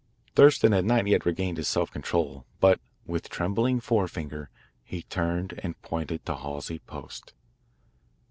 Thurston had not yet regained his self control, but with trembling forefinger he turned and pointed to Halsey Post.